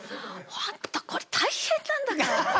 本当これ大変なんだから！